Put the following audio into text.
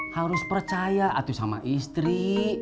harus percaya atau sama istri